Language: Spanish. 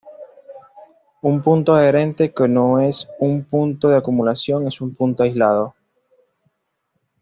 Un punto adherente que no es un punto de acumulación es un punto aislado.